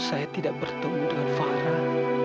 saya tidak bertemu dengan farah